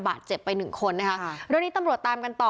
บาดเจ็บไปหนึ่งคนดังนี้ตำรวจตามกันต่อ